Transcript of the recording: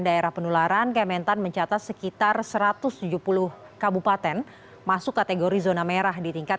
daerah penularan kementan mencatat sekitar satu ratus tujuh puluh kabupaten masuk kategori zona merah di tingkat